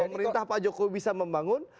pemerintah pak jokowi bisa membangun